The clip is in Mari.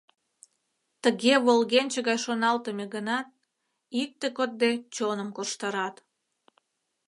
Тыге волгенче гай шоналтыме гынат, икте кодде чоным корштарат.